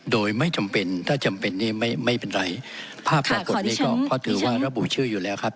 โดยไม่จำเป็นถ้าจำเป็นนี้ไม่ไม่เป็นไรภาพปรากฏนี้ก็เพราะถือว่าระบุชื่ออยู่แล้วครับ